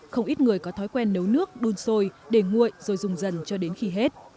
không ít người có thói quen nấu nước đun sôi để nguội rồi dùng dần cho đến khi hết